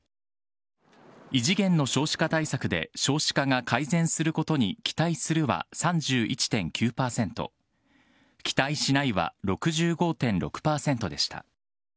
異次元の少子化対策で少子化が改善することに期待するは３１．９％、期待しないは６５．６％でした。